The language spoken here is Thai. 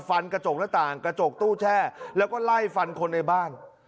กระจกหน้าต่างกระจกตู้แช่แล้วก็ไล่ฟันคนในบ้าน